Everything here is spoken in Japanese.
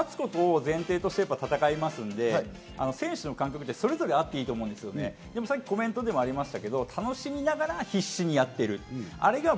勝つことを前提として戦いますので、選手の感覚って、それぞれあっていいと思うんですけれども、楽しみながら必死にやっている。